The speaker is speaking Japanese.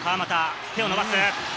手を伸ばす。